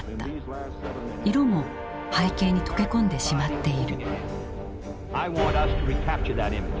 色も背景に溶け込んでしまっている。